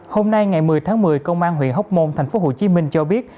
hôm nay ngày một mươi tháng một mươi công an huyện hóc môn thành phố hồ chí minh cho biết